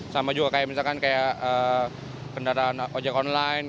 sama juga kayak misalkan kayak kendaraan ojek online